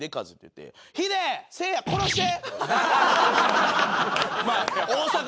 せいや殺して！」。